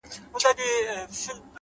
زلفي راټال سي گراني;